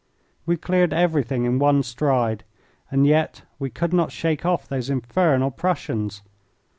We cleared everything in one stride. And yet we could not shake off! those infernal Prussians.